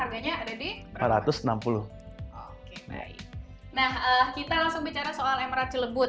nah kita langsung bicara soal emerald celebut